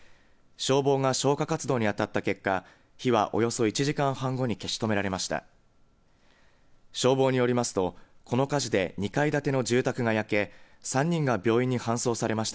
消防が消火活動に当たった結果火は、およそ１時間半後に消し止められました。